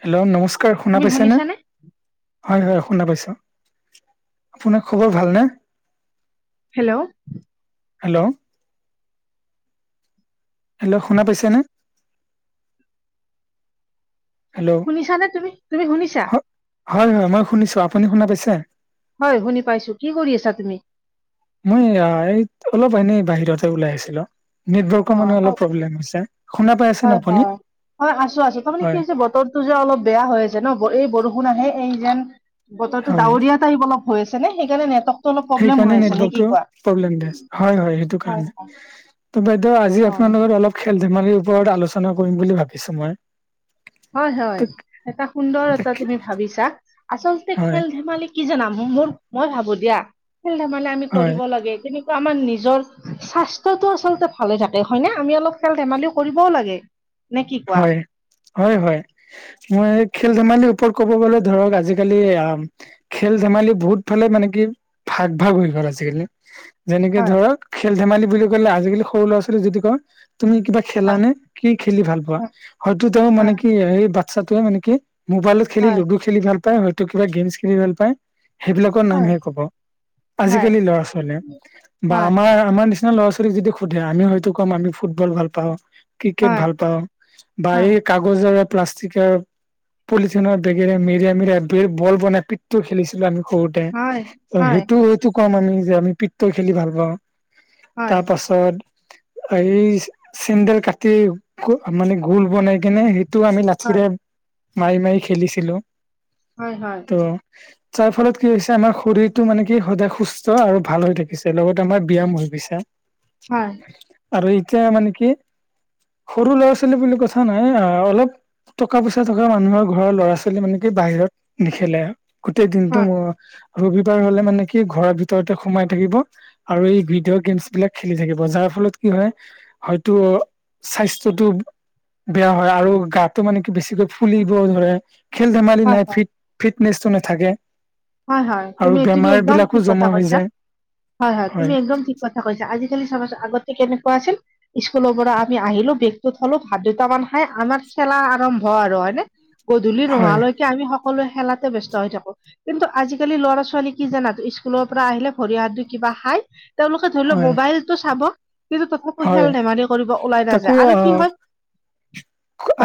Hello নমস্কাৰ শুনা তুমি পাইছে নে? শুনিছানে? হয় হয় শুনা পাইছো, আপোনাৰ খবৰ ভালনে? হেল্ল। হেল্ল। হেল্ল' শুনা পাইছে নে? হেল্ল' শুনিছা নে তুমি? তুমি শুনিছা? হ- হয় হয় মই শুনিছো, আপুনি শুনা পাইছে? হয় শুনি পাইছো, কি কৰি আছা তুমি? মই এইয়া এই অলপ এনেই বাহিৰতে ওলাই আহিছিলো। নেটৱৰ্কৰ হয়, মানে হয়, অলপ প্ৰব্লেম হৈ আছে শুনা পাই আছে হয়, ন আপুনি হয়। হয়। টো যে অলপ বেয়া হৈ আছে ন এই বৰষুণ আহে এই যেন বতৰটো হয় ডাৱৰীয়া। টাইপ অলপ হৈ আছে নে সেইকাৰণে নেটৱৰ্ক। সেইকাৰণে নেটৱৰ্কটো প্ৰব্লেম দিয়ে হয় হয় সেইটো কাৰণে। ত' বাইদেউ আজি হয়। আপোনাৰ লগত অলপ খেল ধেমালিৰ ওপৰত আলোচনা কৰিম বুলি ভাবিছোঁ মই। হয় হয় ত- এটা সুন্দৰ এটা তাকে- তুমি ভাবিছা আচলতে হয় খেল ধেমালি। কি জানা মোৰ মই ভাবো দিয়া খেল ধেমালি আমি হয় কৰিব লাগে কিন্তু। আমাৰ নিজৰ স্বাস্থ্যটো আচলতে ভালে থাকে হয় নে আমি অলপ খেল ধেমালি কৰিবও লাগে। নে কি কোৱা হয় হয় হয়। মই খেল ধেমালিৰ ওপৰত ক'ব গলে ধৰক আজিকালি আ। খেল ধেমালি বহুত ফালে মানে কি ভাগ ভাগ হৈ গ'ল আজিকালি। যেনেকে হয় ধৰক খেল ধেমালি বুলি ক'লে আজিকালি সৰু ল'ৰা ছোৱালী যদি কওঁ তুমি কিবা। খেলা হয় নে কি খেলি ভাল পোৱা হয় হয়তো তেওঁ মানে কি এই বাচ্ছাতোৱে মানে কি? মোবাইলত খেলি হয় লুডু খেলি ভাল পায় হয়তো কিবা গেমছ খেলি ভাল পায় সেইবিলাকৰ হয় নামহে কব। হয় আজিকালি ল'ৰা ছোৱালীয়ে বা হয় আমাৰ আমাৰ নিচিনা ল'ৰা ছোৱালী। এতিয়া যদি সোধে আমিও হয়টো কম আমি ফুটবল ভাল পাও ক্ৰিকেট হয় ভাল পাও বা হয় এই কাগজ। কাগজেৰে প্লাষ্টিকে। পলিথিনৰ বেগেৰে মেৰিয়াই মেৰিয়াই বল বনাই পিতটো খেলিছিলোঁ আমি। সৰুতে হয় হয় ত হয় সেইটো এইটো কম আমি যে আমি পিত্ত খেলি ভাল পাওঁ। হয় তাৰ পাছত এই চেন্দেল কাটি। মানে গোল বনাই কেনে সেইটো আমি হয় লাঠিৰে মাৰি মাৰি খেলিছিলোঁ। হয় হয়। অ। তাৰ ফলত কি হৈছে আমাৰ শৰীৰটো মানে কি সদায় সুস্থ আৰু ভাল হৈ থাকিছে লগতে আমাৰ ব্যায়াম হৈ গৈছে। হয় আৰু এতিয়া মানে কি সৰু ল'ৰা। আছিল বুলি কথা নাই অ অলপ। টকা পইচা থকা মানুহৰ ঘৰৰ ল'ৰা ছোৱালী মানে কি বাহিৰত নেখেলে গোটেই দিনটো হয় মোৰ। ৰবিবাৰ হলে মানে কি ঘৰৰ ভিতৰতে সোমাই থাকিব। আৰু এই ভিডিঅ' গেমছ বিলাক খেলি থাকিব যাৰ ফলত কি হয়। হয়তো স্বাস্থ্যটো। বেয়া হয় আৰু গাটো মানে কি বেছিকৈ ফুলিব ধৰে খেল ধেমালি হয় নাই ফিট। ফিটনেচটো নাথাকে। হয় হয় আৰু তুমি তুমি বেমাৰ একদম বিলাকো ঠিক কথা জমা হৈ কৈছা যায় হয় হয় তুমি একদম ঠিক। কথা কৈছা। আজিকালি চাবা ছোন আগতে কেনেকুৱা আছিল। স্কুলৰ পৰা আমি আহিলো বেগটো থলো ভাত দুটামান খাই আমাৰ খেলা আৰম্ভ আৰু হয়নে? গধূলি হয় নোহোৱালৈকে আমি সকলোৱে খেলাতে ব্যস্ত হৈ থাকো। কিন্তু আজিকালি ল'ৰা ছোৱালী কি জানা স্কুলৰ পৰা আহিলে ভৰি হাত ধুই কিবা খাই। তেওঁলোকে ধৰি লও হয় মোবাইলটো চাব। কিন্তু তথাপিও হয় খেল ধেমালি কৰিব ওলাই তাকো নাযায় আৰু কি আহ হয়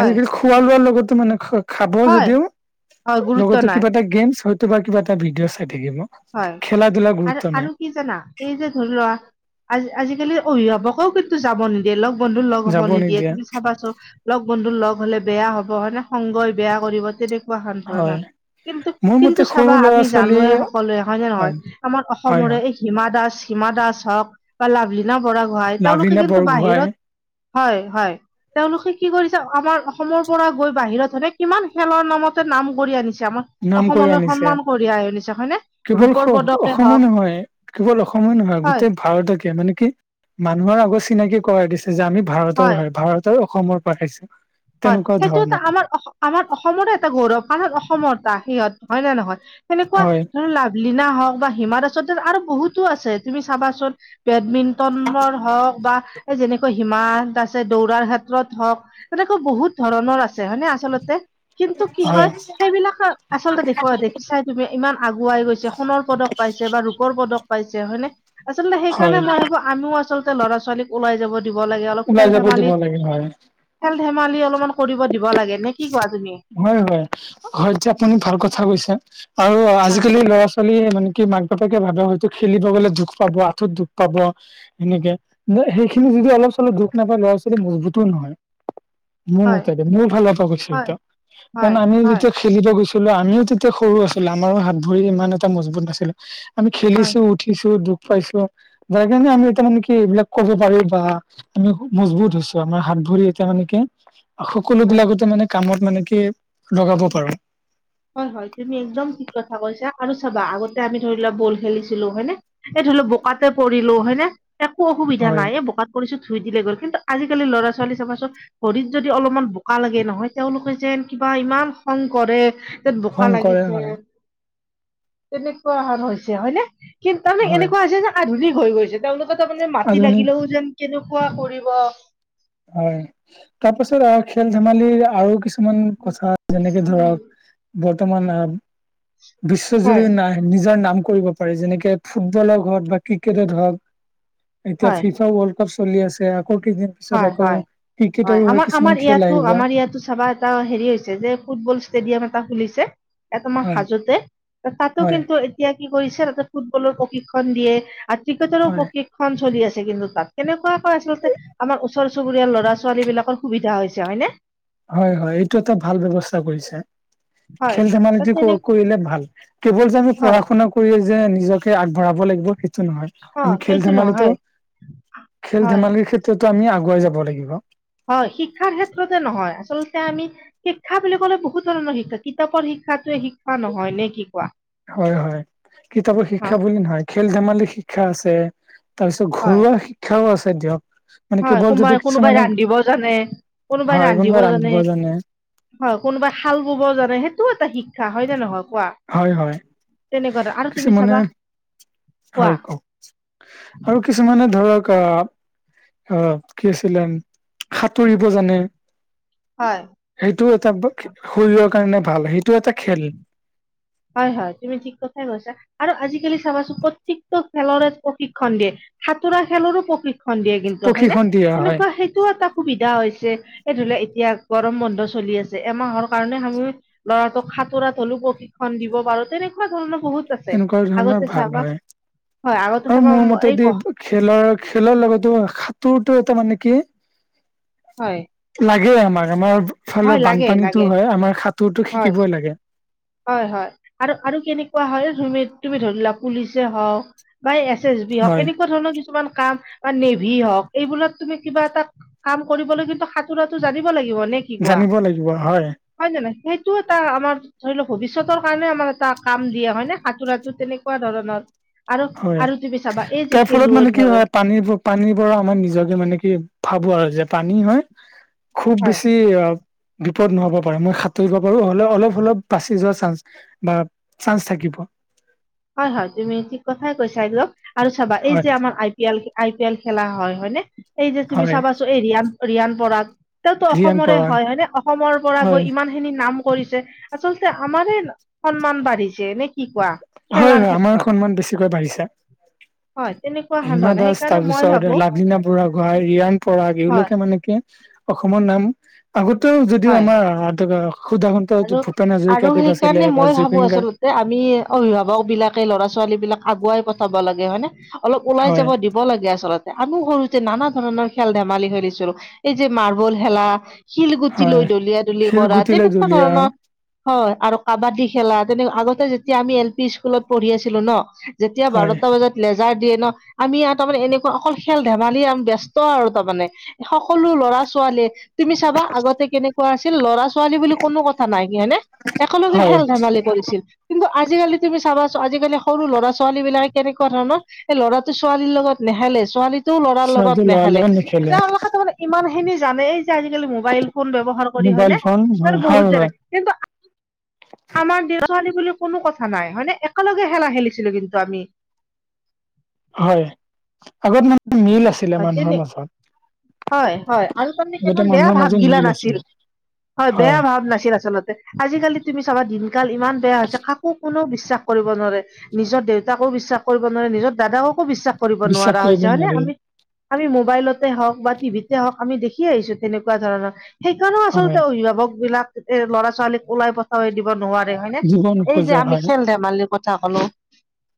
হয়। খোৱা লোৱাৰ লগত মানে খা খাব হয় যদিও হয় গুৰুত্ব লগতে নাই কিবা এটা গেম। তোমাৰ কিবা এটা ভিডিঅ' চাই থাকিব। হয় খেলা ধূলা গুৰুত্ব আৰু নাই আৰু। কি জানা এই যে ধৰি লোৱা আজি আজিকালি অভিভাৱকও। ত যাব নিদিয়ে লগ বন্ধু লগ হ'ব নিদিয়ে তুমি চাবা চ। লগ বন্ধু লগ হ'লে বেয়া হ'ব হয়নে সংগই বেয়া কৰিব তেনেকা। ধৰে না, হয় কিন্তু মোৰ মতে কিন্তু সৰু চাবা ল'ৰা আমি ছোৱালী জানোৱে হয় নে নহয়? হয় আমাৰ হয় অসমৰে হয় এই হিমা দাস হিমা দাস হওক বা লাভলীনা বৰা গোঁহাই তেওঁলোকে লাভিনা কিন্তু বৰগোহাঁই বাহিৰত, হয় হয়। তেওঁলোকে কি কৰিছে আমাৰ অসমৰ পৰা গৈ বাহিৰত হেনে কিমান খেলৰ নামতে নাম কৰি আনিছে। আমাৰ নাম কৰি অসমলৈ আনিছে সন্মান কঢ়িয়াই আনিছে হয়নে? কেৱল ৰূপৰ পদকে অসমে হওক নহয় কেৱল অসমে নহয় হয় গোটেই ভাৰতকে, মানে কি? মানুহৰ আগত চিনাকি কৰাই দিছে যে আমি ভাৰতৰ হয়। ভাৰত তইও অসমৰ পা খাইছ। হয়। সেইটো এটা আমাৰ আমাৰ অসমৰে এটা গৌৰৱ। কাৰণ অসমৰটা সিহঁত হয় নে নহয়? তেনেকুৱা হয় ধৰ লাভলিনা হওঁক বা হিমা দাসত আৰু বহুতো আছে। তুমি চাবাচোন বেডমিণ্টনৰ হওঁক বা এই যেনেকৈ হিমা দাসে দৌৰাৰ ক্ষেত্ৰত হওঁক তেনেকৈ বহুত ধৰণৰ আছে হয়নে আচলতে? কিন্তু কি হয় সেইবিলাক আচলতে দেখুৱাব দেখি চাই তুমি ইমান আগুৱাই গৈছে, সোণৰ পদক পাইছে বা ৰূপৰ পদক পাইছে হয়নে? আচলতে হয় সেইকাৰণে মই ভাবো আমিও আচলতে ল'ৰা ছোৱালীক ওলাই যাব দিব লাগে, অলপ খেল ধেমালি সেই হয়। খেল ধেমালি অলপমান কৰিব দিব লাগে। নে কি কোৱা তুমি? হয়, হয়, হয় দিয়া আপুনি ভাল কথা কৈছে। আৰু হয় আজিকালি ল'ৰা ছোৱালীয়ে মানে কি মাক বাপেকে ভাবে হয়তো খেলিব গ'লে দুখ পাব, আঁঠুত দুখ পাব সেনেকে, ন সেইখিনি যদি অলপ চলপ দুখ নাপায় ল'ৰা ছোৱালী মজবুতো নহয়। মোৰ হয় মতে কিন্তু, মোৰ ফালৰপা কৈছো হয় এতিয়া, কাৰণ হয় আমি হয় যেতিয়া খেলিব গৈছিলো, আমিও তেতিয়া সৰু আছিলো আমাৰো হাত ভৰি ইমান এটা মজবুত নাছিলে। আমি হয় খেলিছো উঠিছো দুখ পাইছো, যাৰ কাৰণে আমি কৰোঁ কি এইবিলাক কব পাৰি বা আমি মজবুত হৈছো, আমাৰ হাত ভৰি এতিয়া মানে কি সকলো হয় বিলাকতে মানে কামত মানে কি লগাব পাৰো। হয়, হয় তুমি একদম ঠিক কথা কৈছা। আৰু চাবা আগতে আমি ধৰি লোৱা বল খেলিছিলো হয়নে? এই ধৰি লওঁক বোকাতে পৰিলো হয়নে একো অসুবিধা হয় নাই। এই বোকাত পৰিছে ধুই দিলে গ'ল। কিন্তু আজিকালি ল'ৰা ছোৱালী চাবচোন ভৰিত যদি অলপমান বোকা লাগে নহয়, তেওঁলোকে যেন কিবা ইমান খং কৰে। যে বোকা শংকৰে লাগিছে, হয় তেনেকুৱা হৈছে হয়নে? কিন্ত তাৰমানে হয় এনেকুৱা হৈছে যে আধুনিক হৈ গৈছে, তেওঁলোকে তাৰ মানে মাটি আধুনিক লাগিলেও যেন কেনেকুৱা কৰিব হয়। তাৰপাছত আহ খেল-ধেমালি আৰু কিছু মান কথা যেনেকে ধৰক বৰ্তমান হয় বিশ্বজুৰি নাই নিজৰ নাম কৰিব পাৰে, যেনেকে ফুটবলে হওঁক বা ক্ৰিকেটত হওঁক এতিয়া হয়, ফিফা ৱৰ্ল্ড কাপ চলি আছে, আকৌ কেইদিন পিছত হয়, আকৌ হয়, হয় ক্ৰিকেটৰো আমাৰ কিছুমান আমাৰ খেল ইয়াতো আহিব আমাৰ ইয়াতো চাবা এটা হেৰি হৈছে, যে ফুটবল ষ্টেডিয়াম এটা খুলিছে। ইয়াত আমাৰ হয় হাজোতে, যে তাতো হয় কিন্তু এতিয়া কি কৰিছে, তাতে ফুটবলৰ প্ৰশিক্ষণ দিয়ে আৰু ক্ৰিকেটৰো হয় প্ৰশিক্ষ ক্ষন চলি আছে কিন্তু তাত। কেনেকুৱাকৈ আচলতে আমাৰ ওচৰ চুবুৰীয়াৰ ল'ৰা-ছোৱালী বিলাকৰ সুবিধা হৈছে হয়নে? হয়, হয় এইটো এটা ভাল ব্যৱস্থা কৰিছে, হয় খেল ত ধেমালিটো তেনে কৰিলে ভাল। কেৱল যে আমি হয় পঢ়া-শুনা কৰিয়ে যে নিজকে আগবঢ়াব লাগিব, সেইটো নহয়। অ আমি সেইটো নহয় খেল-ধেমালিতো হয় খেল-ধেমালিৰ ক্ষেত্ৰতো আমি আগুৱাই যাব লাগিব। হয় শিক্ষাৰ ক্ষেত্ৰতে নহয়, আচলতে আমি শিক্ষা বুলি ক'লে বহুত ধৰণৰ শিক্ষা কিতাপৰ শিক্ষাটোৱে শিক্ষ হয় হয় কিতাপৰ অ শিক্ষা বুলি নহয় খেল-ধেমালি শিক্ষা আছে, তাৰ পিছত হয় ঘৰুৱা শিক্ষাও আছে দিয়ক। মানে হয় কেৱল যদি কোনবাই কোনোবাই কিছুমানে ৰান্ধিব জানে, কোনোবাই ৰান্ধিব জানে। হয় কোনোবাই হাল বোৱাব জানে, সেইটোও এটা শিক্ষা হয়নে নহয় কোৱা হয় হয় তেনেকুৱা ধৰ- আৰু তুমি কিছুমানে চাবা কোৱা হয় কওক, আৰু কিছুমানে ধৰক আহ অ কি আছিলেম সাঁতুৰিব জানে, হয় সেইটোও এটা শৰীৰৰ কাৰণে ভাল সেইটো এটা খেল হয় হয় তুমি ঠিক কথাই কৈছা আৰু আজিকালি চাবাচোন প্ৰত্যেকটো খেলৰে প্ৰশিক্ষণ দিয়ে। সাঁতোৰা খেলৰো প্ৰশিক্ষণ দিয়ে কিন্তু হয়নে প্ৰশিক্ষণ দিয়া হয় তেনেকুৱা সেইটো এটা সুবিধা হৈছে এই ধৰি লহ এতিয়া গৰম বন্ধ চলি আছে এমাহৰ কাৰণে সাঙুৰি ল'ৰাটোক সাঁতোৰাত হলেও প্ৰশিক্ষণ দিব পাৰো, তেনেকুৱা ধৰণৰ বহুত আছে তেনেকুৱা ধৰণৰ আগতে ভাল চাবা হয়। হয় আগতে আৰু চাবা মোৰ এই মতেদি ক খেলৰ খেলৰ লগতো সাঁতোৰটো এটা মানে কি হয় লাগে আমাক আমাৰ হয় ইফালে লাগে লাগে বানপানীতো হয় আমাৰ সাঁতোৰতো হয় শিকিবই লাগে। হয় হয় আৰু আৰু কেনেকুৱা হয় তুমি তুমি ধৰি লোৱা পুলিচে হওক বা এছ এছ বি হওক হয়। এনেকুৱা ধৰণৰ কিছুমান কাম বা নেভি হওক এইবিলাক তুমি কিবা এটা কাম কৰিবলৈ কিন্তু সাঁতোৰাটো জানিব লাগিব নে কি কোৱা জানিব লাগিব হয় হয় নহয়, সেইটো এটা আমাৰ ধৰি লওঁক ভৱিষ্যতৰ কাৰণে আমাৰ এটা কাম দিয়া হয় নে সাঁতোৰটো তেনেকুৱা ধৰণৰ আৰু হয়। আৰু তুমি চাবা এই যে তাৰ ফলত খেলুৱৈ মানে কি ধৰ হয় পানী পানীৰ পৰা আমাৰ নিজকে মানে কি ভাবো আৰু যে পানী হয় খুব হয় বেছি অ বিপদ নহব পাৰে মই সাঁতৰিব পাৰো হলে অলপ অলপ বাচি যোৱা চানস বা চান্স থাকিব হয় হয় তুমি ঠিক কথাই কৈছে এইটো আৰু চাবা এই হয় যে আমাৰ I P L, I P L খেলা হয় নে এই যে তুমি হয় চাবাচো এই ৰিয়ান ৰিয়ান পৰাগ তেওঁতো ৰিয়ান অসমৰে পৰাগ হয় হয় নে অসমৰ পৰা গৈ হয় ইমান ইমান খিনি নাম কৰিছে আচলতে আমাৰে সন্মান বাঢ়িছে নে কি কোৱা হয় খেলাৰ হয় আমাৰ ক্ষেত্ৰত সন্মান বেছিকৈ বাঢ়িছা হয় তেনেকুৱা হিমা ধৰণে দাস তাৰ সেইকাৰণে মই পিছত ভাবো লাভলীনা বুঢ়াগোহাঁই, ৰিয়ন পৰাগ হয় এইবিলাকে মানে কে অসমৰ নাম আগতেও যদিও হয় আমাৰ সুদাকন আৰু [unintelligible] ভূপেন আৰু হাজৰিকা দেৱ আছিলে সেইকাৰণে বা মই ভাবো জুবিন গাৰ্গ আচলতে আমি অভিভাৱক বিলাকে লৰা ছোৱালীবিলাক আগুৱাই পঠাব লাগে হয় নে অলপ ওলাই হয় যাব দিব দিব লাগে আচলতে আমিও সৰুতে নানা ধৰণৰ খেল ধেমালি খেলিছিলো এই যে মাৰ্বল খেলা শিলগুটি হয় লৈ দলিয়া দলি কৰা শিলগুটিলে তেনেকুৱা দুলীয়া ধৰণৰ হয় আৰু কাবাডী খেলা তেনেক আগতে যেতিয়া আমি এল পি স্কুলত পঢ়ি আছিলো ন যেতিয়া হয় বাৰটা বজাত লেজাৰ দিয়ে ন আমি আৰু তাৰমানে এনেকুৱা অকল খেল ধেমালি আমি ব্যস্ত আৰু তাৰমানে সকলো ল'ৰা ছোৱালীয়ে তুমি চাবা আগতে কেনেকুৱা আছিল ল'ৰা ছোৱালী বুলি কোনো কথা নাই কি হয়নে একেলগে হয় খেল ধেমালি কৰিছিল কিন্তু আজিকালি তুমি চাবা আজিকালি সৰু ল'ৰা ছোৱালী বিলাকে কেনেকুৱা ধৰণৰ। এ ল'ৰাটো ছোৱালীৰ লগত নেহেলে ছোৱালী- তো ল'ৰাৰ সিহঁতি লগত ল'ৰাৰ নেখালে লগত নেখেলে তেওঁলোকে মানে ইমান খিনি জানেই যে আজিকালি মোবাইল- ফোন ব্যৱহাৰ কৰি হয় মোবাইল নে ফোন হয় ত হয় বহুত হয় জানে কিন্তু আহ- আমাক দেছোৱালী বুলি কোনো কথা নাই হয়নে একেলগে খেলা খেলিছিলো কিন্তু আমি। হয়ঁ আগত মানে মিল আছিলে মানুহৰ মাজত। হয়ঁ হয়ঁ আৰু আগতে তাৰমানে বেয়া মানুহৰ মাজত ভাৱগিলা মিল নাছিল আছিলে হয়ঁ বেয়া হয় ভাৱ নাছিল আচলতে। আজিকালি তুমি চাবা দিনকাল ইমান বেয়া হৈছে কাকো কোনেও বিশ্বাস কৰিব নোৱাৰে। নিজৰ দেউতাকো বিশ্বাস কৰিব নোৱাৰে নিজৰ দাদাককো বিশ্বাস কৰিব বিশ্বাস নোৱাৰা কৰিব হৈছে হয়নে নোৱাৰি আমি- আমি মোবাইলতে হওঁক বা টিভিতে হওঁক আমি দেখি আহিছো তেনেকুৱা ধৰণৰ। সেইকাৰণেও আচলতে হয় অভিভাৱক বিলাক এ ল'ৰা ছোৱালীক ওলাই পৰ দিব নোৱাৰে হয়ঁ নে জীৱন এই যে উপজা আমি হয় খেল ধেমা- ধেমালিৰ কথা কলো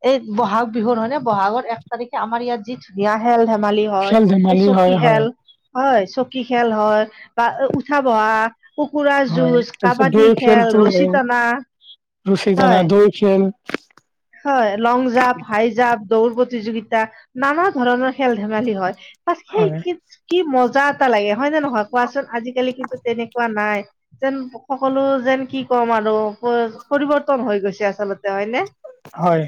এই বহাগ বিহুৰ নহয় নে বহাগৰ এক তাৰিখে আমাৰ ইয়াত যি ধুনীয়া খেল ধেমালি হয়ঁ খেল এই ধেমালি চকী হয় হয় খেল হয়ঁ চকী খেল হয়ঁ। বা উঠা বহা। কুকুৰৰা হয় যুঁজ তাৰপিছত কাবাডী দৌৰ খেল খেলটো ৰছী হয় টনা ৰুচি জানা হয়ঁ। দৈ খেল। হয়ঁ লং জাম্প হাই জাম্প দৌৰ প্ৰতিযোগিতা নানা ধৰণৰ খেল ধেমালি হয়ঁ। তাত সেই হয় কি কি মজা এটা লাগে হয়ঁ নে নহয় কোৱাচোন আজিকালি কিন্তু তেনেকুৱা নাই। যেন সকলো যেন কি ক'ম আৰু পৰিৱৰ্তন হৈ গৈছে আচলতে হয়নে? হয়ঁ।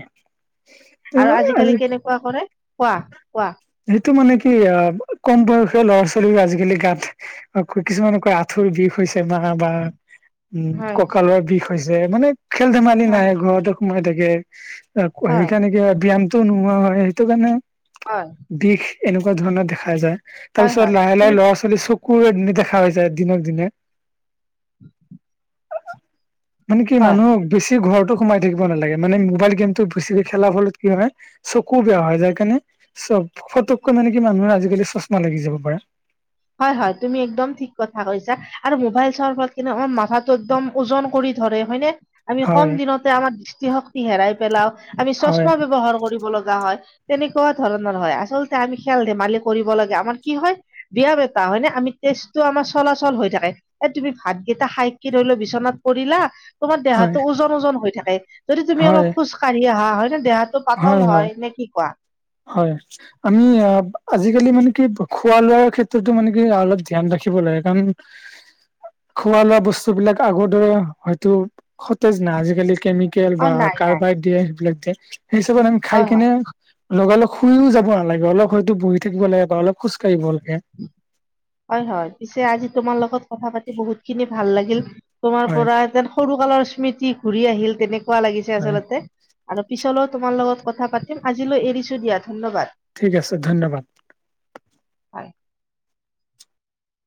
আৰু আজিকালি কেনেকুৱা কৰে কোৱা কোৱা। সেইটো মানে কি অঁ কম বয়সে ল'ৰা ছোৱালীও আজিকালি গাত কিছুমানকৈ আ- আঠুৰ বিষ হৈছে মা মা উঁম হয়, ককালৰ বিষ হৈছে মানে- খেল ধেমালি হয়, নাই ঘৰতো সোমাই থাকে হয়, সেইকাৰণে কি ব্যায়াম- তো নোহোৱা হঁয় সেইটো কাৰণে- হঁয় বিষ এনেকুৱা ধৰণৰ দেখা যায় হয়, তাৰপিছত হয়, লাহে তুমি লাহে ল'ৰা ছোৱালী চক- কুৰ দেখা হৈ যায় দিনক দিনে ওম হো মানে কি মানুহ বেছি ঘৰতো সোমাই থাকিব নালাগে মানে মোবাইল গেমতটো বেছিকে খেলাৰ ফলত কি হঁয়- চকু বেয়া হঁয় যাৰ কাৰণে চব ফতককৈ মানে কি মানুহে আজিকালি চশমা লাগি যাব পাৰে। হয়ঁ, হয়ঁ তুমি একদম ঠিক কথা কৈছা আৰু মোবাইল চোৱাৰ ফলত মাথাটো একদম- ওজন কৰি ধৰে হয়নে? আমি কম হয় দিনতে আমাৰ দৃষ্টিশক্তি হেৰাই পেলাও। আমি হয় চশমা ব্যৱহাৰ কৰিব লগা হয়। তেনেকুৱা ধৰণৰ হয়ঁ আচলতে আমি খেল ধেমালি কৰিব লাগে আমাৰ কি হয়ঁ। দিয়া বেটা, আমি তেজটো আমাৰ চলাচল হৈ থাকে। এ, তুমি ভাতকেইটা খাই কি ধৰি লও বিচনাত পৰিলা। তোমাৰ হয় দেহাটো ওজন ওজন হৈ থাকে যদি তুমি হয় অলপ খোজকাঢ়ি আহা হয়ঁ নে দেহাত- টো পাতল হঁয় নে কি কোৱা? হয়ঁ। আমি অঁ, আজিকালি মানে কি খোৱা লোৱাৰ ক্ষেত্ৰতো মানে কি অলপ ধ্যান ৰাখিব লাগে কাৰণ- খোৱা লোৱা বস্তু বিলাক আগৰ দৰে হয়তো- সতেজ নাই আজিকালি কেমিকেল অ বা নাই নাই কাৰ্বাইড দিয়ে সেই হিচাপত আমি খাই হয় হয় কেনে। লগালগ শুইও যাব নালাগে অলপ হয়তো বহি থাকিব লাগে বা অলপ খোজকাঢ়িব- হয়, হয়, পিছে আজি তোমাৰ লগত কথা পাতি বহুত খিনি ভাল লাগিল। তোমাৰ হয় পৰাই যেন সৰু কালৰ স্মৃতি ঘূৰি আহিল তেনেকুৱা লাগিছে হয় আচলতে। আৰু পিছলৈও তোমাৰ লগত কথা পাতিম আজিলৈ এৰিছো দিয়া ধন্যবাদ। ঠিক আছে ধন্যবাদ। হয়